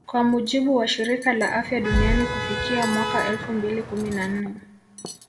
Kwa mujibu wa Shirika la Afya Duniani kufikia mwaka elfu mbili kumi na nne